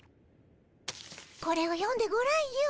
これを読んでごらんよ。